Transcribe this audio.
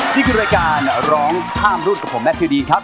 นี่คือรายการร้องข้ามรุ่นกับผมแมททิวดีนครับ